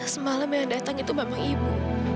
semalam yang datang itu memang ibu